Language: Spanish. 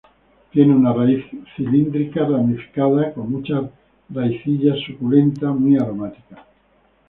Tiene una raíz cilíndrica, ramificada, con muchas raicillas, suculenta, muy aromática.